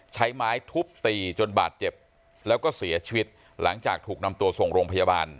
ใช้ไม้ทุบตีจนบาดเจ็บแล้วก็เสียชีวิตหลังจากถูกนำตัวส่งโรงพยาบาล